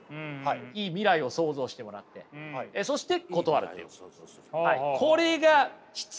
いい未来を想像してもらってそして断るという。